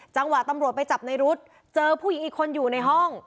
จังหวะตำรวจไปจับในรุ๊ดเจอผู้หญิงอีกคนอยู่ในห้อง